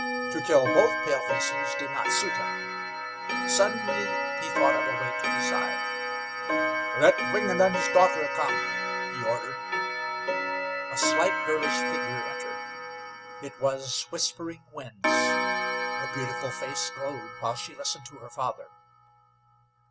To kill both palefaces did not suit him. Suddenly he thought of a way to decide. "Let Wingenund's daughter come," he ordered. A slight, girlish figure entered. It was Whispering Winds. Her beautiful face glowed while she listened to her father.